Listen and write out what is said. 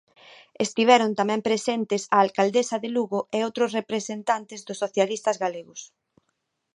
Estiveron tamén presentes a alcaldesa de Lugo e outros representantes dos socialistas galegos.